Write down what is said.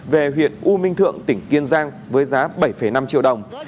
về huyện u minh thượng tỉnh kiên giang với giá bảy năm triệu đồng